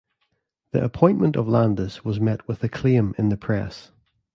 The appointment of Landis was met with acclaim in the press.